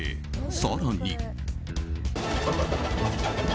更に。